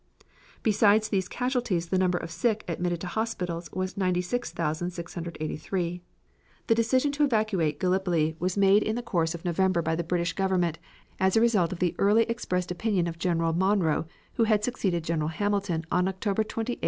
Besides these casualties the number of sick admitted to hospitals was 96,683. The decision to evacuate Gallipoli was made in the course of November by the British Government as the result of the early expressed opinion of General Monro, who had succeeded General Hamilton on October 28, 1915.